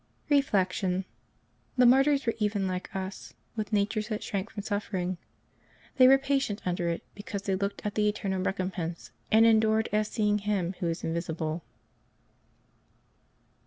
Reflection. — The martyrs were even like us, with natures which shrank from suffering. They were patient under it because they looked to the eternal recompense, and en dured as seeino: Him Who is invisible.